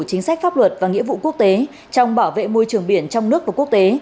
chính sách pháp luật và nghĩa vụ quốc tế trong bảo vệ môi trường biển trong nước và quốc tế